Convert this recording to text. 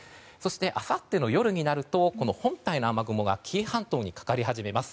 あさっての夜になると本体の雨雲が紀伊半島にかかり始めます。